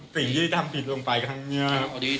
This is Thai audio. สิ่งที่ทำผิดลงไปครั้งนี้ครับ